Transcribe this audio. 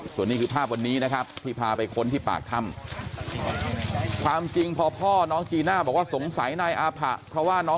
ส่วนนี้คือภาพวันนี้นะครับที่พาไปค้นที่ปากถ้ำ